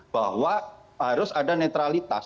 bahwa harus ada netralitas